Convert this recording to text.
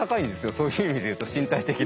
そういう意味で言うと身体的な。